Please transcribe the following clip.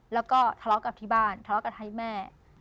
แล้วก็ทะเลาะกับที่บ้านทะเลาะกันให้แม่